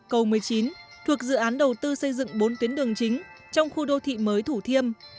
cầu một mươi chín thuộc dự án đầu tư xây dựng bốn tuyến đường chính trong khu đô thị mới thủ thiêm